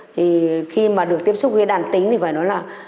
thì khi mà được tiếp xúc với đàn tính thì phải nói là